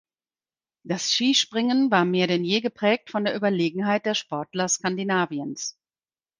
Das Skispringen war mehr denn je geprägt von der Überlegenheit der Sportler Skandinaviens.